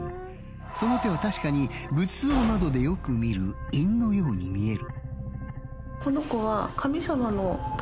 その手は確かに仏像などでよく見る印のように見える。